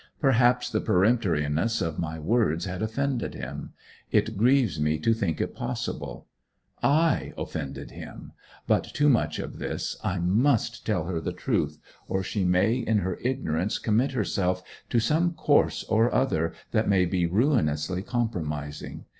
Perhaps the peremptoriness of my words had offended him; it grieves me to think it possible. I offend him! But too much of this. I must tell her the truth, or she may in her ignorance commit herself to some course or other that may be ruinously compromising.